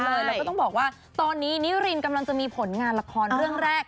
แล้วก็ต้องบอกว่าตอนนี้นิรินกำลังจะมีผลงานละครเรื่องแรก